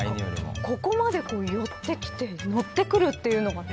ここまで寄ってきて乗ってくるというのがね